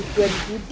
biar di putih